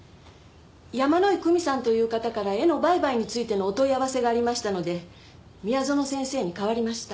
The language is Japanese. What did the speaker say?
山井久美さんという方から絵の売買についてのお問い合わせがありましたので宮園先生に代わりました。